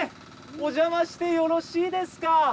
おじゃましてよろしいですか？